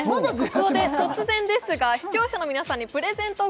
ここで突然ですが視聴者の皆さんにプレゼント